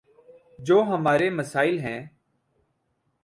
جو ہمارے مسائل ہیں۔